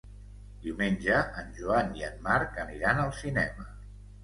Diumenge en Joan i en Marc aniran al cinema.